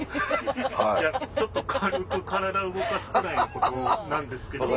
いやちょっと軽く体動かすくらいのことなんですけど。